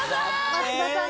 松田さん